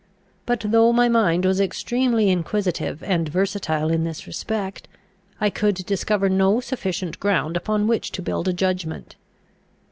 But though my mind was extremely inquisitive and versatile in this respect, I could discover no sufficient ground upon which to build a judgment.